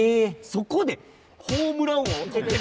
そこでホームラン王って。